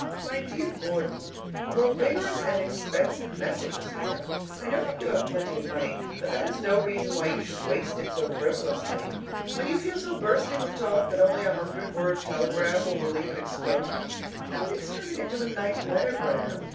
My dear Gordon: Your vigorous and expensive message is here. I know that you have plenty of money, but that is no reason why you should waste it so frivolously. When you feel so bursting with talk that only a hundred word telegram will relieve an explosion, at least turn it into a night lettergram.